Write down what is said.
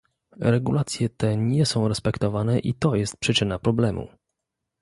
Regulacje te nie są respektowane i to jest przyczyna problemu